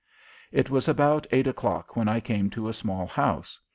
It was about eight o'clock when I came to a small house.